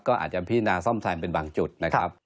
ก็อาจจะพินาซ่อมแซมเป็นบางจุดนะครับ